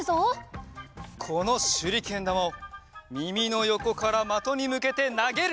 このしゅりけんだまをみみのよこからまとにむけてなげる！